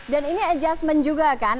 dan ini adjustment juga kan